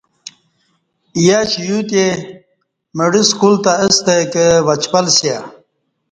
یشیوتہ مڑہ سکول تہ استہ کہ وچپل سیہ